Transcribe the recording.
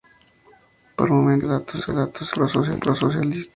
Por momentos el relato se vuelve pro-socialista.